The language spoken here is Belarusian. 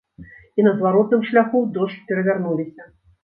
І на зваротным шляху ў дождж перавярнуліся.